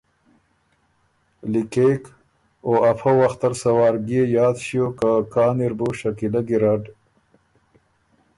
لِکېک او افۀ وختل سۀ وار بيې یاد ݭیوک که کان اِر بُو شکیلۀ ګیرډ